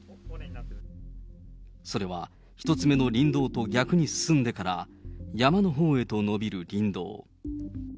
それは１つ目の林道と逆に進んでから、山のほうへと延びる林道。